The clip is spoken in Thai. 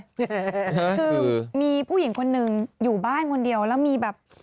คือมีผู้หญิงคนหนึ่งอยู่บ้านคนเดียวแล้วมีแบบ